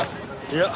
いや。